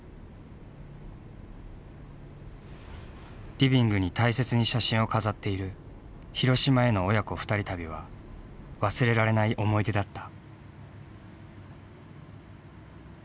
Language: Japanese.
リビングに大切に写真を飾っている広島への親子２人旅は忘れられない思い出だった。